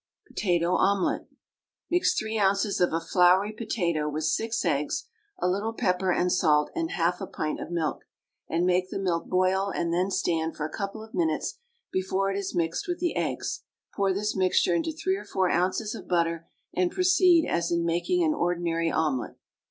POTATO OMELET. Mix three ounces of a floury potato with six eggs, a little pepper and salt, and half a pint of milk, and make the milk boil and then stand for a couple of minutes before it is mixed with the eggs; pour this mixture into three or four ounces of butter, and proceed as in making an ordinary omelet.